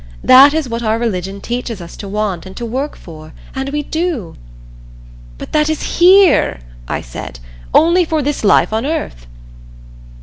That is what our religion teaches us to want and to work for, and we do!" "But that is here," I said, "only for this life on earth."